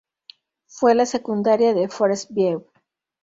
Fue a la secundaria Forest View.